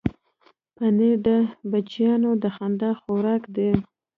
پنېر د بچیانو د خندا خوراک دی.